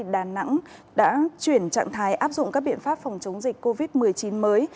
đà nẵng đã chuyển trạng thái áp dụng các biện pháp phòng chống dịch covid một mươi chín mới